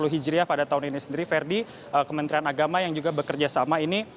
sepuluh hijriah pada tahun ini sendiri verdi kementerian agama yang juga bekerja sama ini